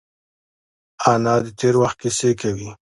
انا د تېر وخت کیسې کوي